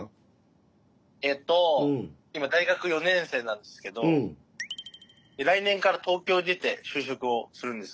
今大学４年生なんですけど来年から東京に出て就職をするんです。